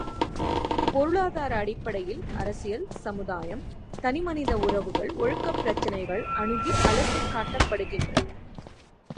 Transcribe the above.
பொருளாதார அடிப்படையில் அரசியல் சமுதாயம், தனிமனித உறவுகள் ஒழுக்கப் பிரச்சனைகள் அணுகி அலசிக் காட்டப்படுகின்றன.